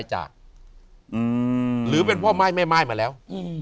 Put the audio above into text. หรือเป็นพ่อม่ายแม่ม่ายมาแล้ว